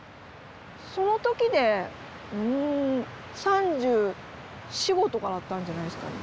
その時でうん３４３５とかだったんじゃないですかね。